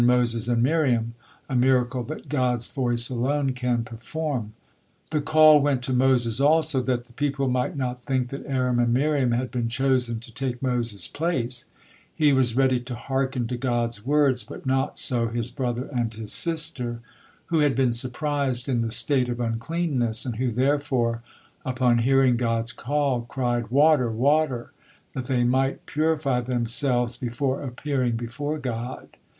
"Moses!" and "Miriam!" a miracle that God's voice alone can perform. The call went to Moses also, that the people might not think that Aaron and Miriam had been chosen to take Moses' place. He was ready to hearken to God's words, but not so his brother and his sister, who had been surprised in the state of uncleanness, and who therefore, upon hearing God's call, cried, "Water, water," that they might purify themselves before appearing before God.